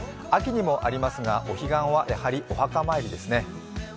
秋にもありますが、お彼岸はやはりお墓参りですね。